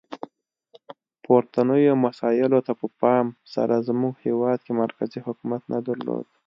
پورتنیو مسایلو ته په پام سره زموږ هیواد کې مرکزي حکومت نه درلود.